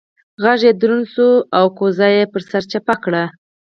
غږ يې دروند شو او کوزه يې پر سر چپه کړه.